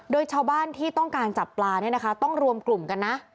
โดยชาวบ้านที่ต้องการจับปลาต้องรวมกลุ่มกันนะ